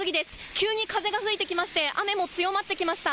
急に風が吹いてきまして雨も強まってきました。